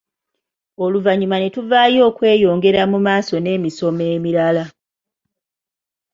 Oluvannyuma ne tuvaayo okweyongera mu maaso n’emisomo emirala.